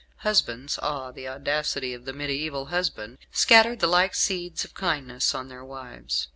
Husbands (ah, the audacity of the mediaeval husband) scattered the like seeds of kindness on their wives.